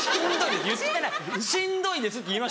言ってない「しんどいです」って言いましたよ。